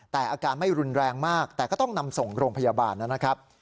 แต่อาการไม่รุนแรงมากแต่ก็ต้องนำส่งโรงพยาบาลนะครับ